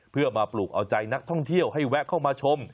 เพื่อมาปลูกเอาใจนักท่องเที่ยวให้แวะเข้ามาชม